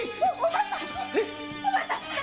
お前さん！